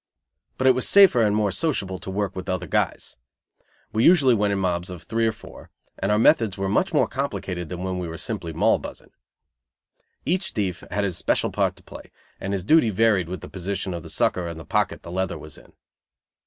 But it was safer and more sociable to work with other guys. We usually went in mobs of three or four, and our methods were much more complicated than when we were simply moll buzzing. Each thief had his special part to play, and his duty varied with the position of the sucker and the pocket the "leather" was in.